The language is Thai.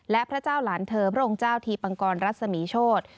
และพระเจ้าหลานเธอพระองค์เจ้าทีปังกรรัศมีโชธ